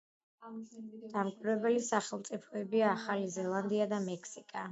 დამკვირვებელი სახელმწიფოებია ახალი ზელანდია და მექსიკა.